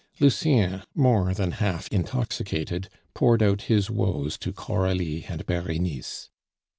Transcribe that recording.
Lucien, more than half intoxicated, poured out his woes to Coralie and Berenice.